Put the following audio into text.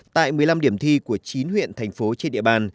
tại một mươi năm điểm thi của chín huyện thành phố trên địa bàn